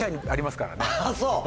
あぁそう。